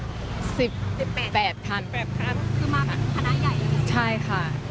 คือมาธนาใหญ่อย่างนี้ค่ะใช่ค่ะ